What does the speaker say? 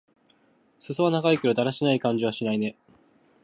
すそは長いけど、だらしない感じはしないね。